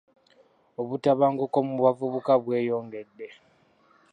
Obutabanguko mu bavubuka bweyongedde .